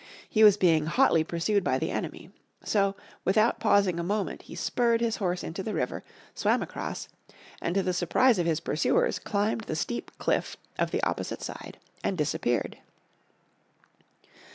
He was being hotly pursued by the enemy. So without pausing a moment he spurred his horse into the river, swam across, and to the surprise of his pursuers climbed the steep cliff of the opposite side, and disappeared.